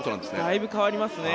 だいぶ変わってきますね。